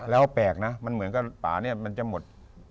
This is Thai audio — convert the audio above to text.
แล้วแปลกนะเหมือนกันป่าแน่มันจะหมด